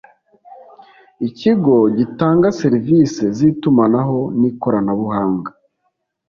ikigo gitanga serivisi z itumanaho nikoranabuhanga